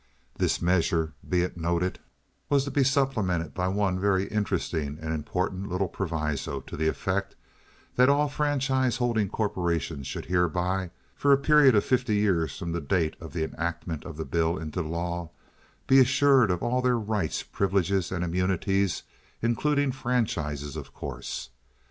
This measure, be it noted, was to be supplemented by one very interesting and important little proviso to the effect that all franchise holding corporations should hereby, for a period of fifty years from the date of the enactment of the bill into law, be assured of all their rights, privileges, and immunities—including franchises, of course.